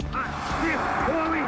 ホームイン！